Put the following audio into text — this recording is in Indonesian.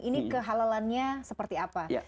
ini kehalalannya seperti apa